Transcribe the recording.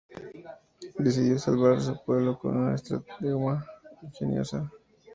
Decidió salvar a su pueblo con una estratagema ingeniosa.